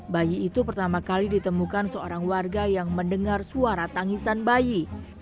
bayi itu pertama kali ditemukan seorang warga yang mendengar suara tangisan bayi